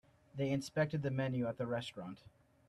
They inspected the menu at the restaurant.